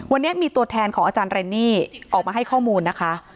วันนี้มีตัวแทนของอาจารย์เรนนี่ออกมาให้ข้อมูลนะคะ